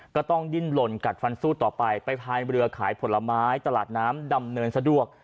ก็ต้องดิ้นหล่นกัดฟันสู้ต่อไปไปพายเรือขายผลไม้ตลาดน้ำดำเนินสะดวก